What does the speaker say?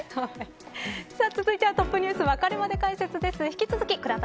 続いては、Ｔｏｐｎｅｗｓわかるまで解説です。